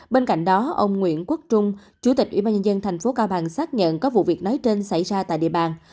bên cạnh đó ông nguyễn quốc trung chủ tịch ủy ban nhân dân thành phố cao bằng xác nhận có vụ việc nói trên xảy ra tại địa bàn